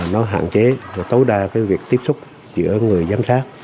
nó hạn chế tối đa cái việc tiếp xúc giữa người giám sát